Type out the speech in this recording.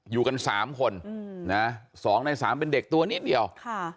อยู่กันสามคนอืมนะสองในสามเป็นเด็กตัวนิดเดียวค่ะ